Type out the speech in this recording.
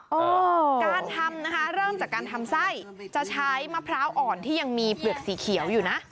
เออการทำนะคะเริ่มจากการทำไส้จะใช้มะพร้าวอ่อนที่ยังมีเปลือกสีเขียวอยู่นะ